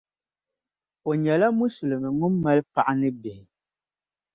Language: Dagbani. O nyɛla musulimi ŋun mali paɣa ni bihi.